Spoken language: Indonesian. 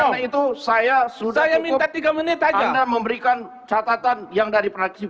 oleh karena itu saya sudah cukup anda memberikan catatan yang dari praksi pks